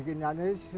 ya belajar sendiri